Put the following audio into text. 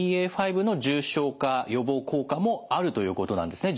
ＢＡ．５の重症化予防効果もあるということなんですね。